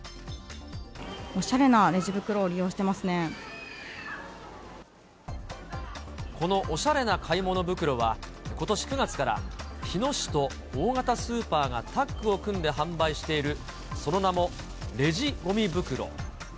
おしゃれなレジ袋を利用してこのおしゃれな買い物袋は、ことし９月から日野市と大型スーパーがタッグを組んで販売している、その名もレジごみ袋。